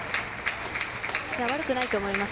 悪くないと思います。